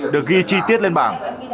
được ghi chi tiết lên bảng